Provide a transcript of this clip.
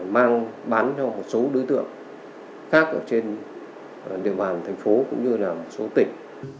mang bán cho một số đối tượng khác ở trên địa bàn thành phố cũng như là một số tỉnh